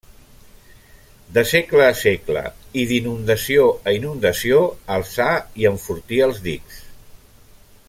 De segle a segle i d'inundació a inundació alçar i enfortir els dics.